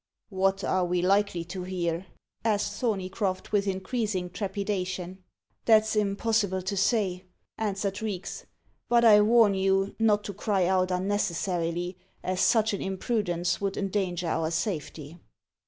"What are we likely to hear?" asked Thorneycroft with increasing trepidation. "That's impossible to say," answered Reeks; "but I warn you not to cry out unnecessarily, as such an imprudence would endanger our safety."